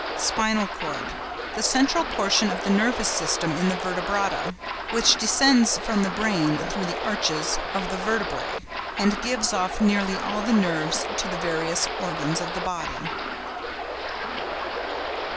SPINAL CORD.—The central portion of the nervous system in the Vertebrata, which descends from the brain through the arches of the vertebræ, and gives off nearly all the nerves to the various organs of the body.